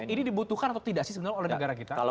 ini dibutuhkan atau tidak sih sebenarnya oleh negara kita